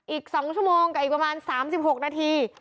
อีก๒ชั่วโมงกับอีกประมาณ๓๖นาที